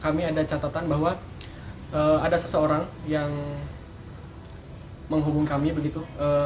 kami ada catatan bahwa ada seseorang yang menghubung kami begitu